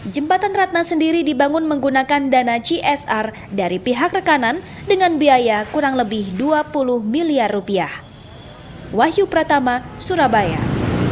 jembatan ratna sendiri dibangun menggunakan dana gsr dari pihak rekanan dengan biaya kurang lebih dua puluh miliar rupiah